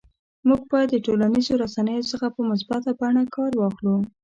موږ باید د ټولنیزو رسنیو څخه په مثبته بڼه کار واخلو